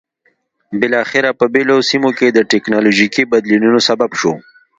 بالاخره په بېلابېلو سیمو کې د ټکنالوژیکي بدلونونو سبب شو.